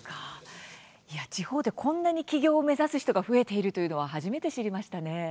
地方で、こんなに起業を目指す人が増えているというのは初めて知りましたね。